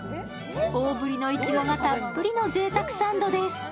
大ぶりのいちごがたっぷりのぜいたくサンドです。